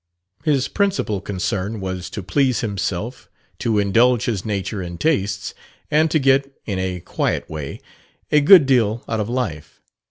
His principal concern was to please himself, to indulge his nature and tastes, and to get, in a quiet way, "a good deal out of life."